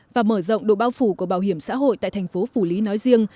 và mở rộng độ bao phủ của bảo hiểm xã hội tại thành phố phủ lý nói riêng